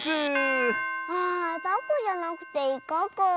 あタコじゃなくてイカかあ。